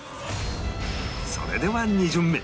それでは２巡目